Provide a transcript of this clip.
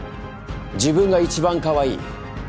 自分が一番かわいい。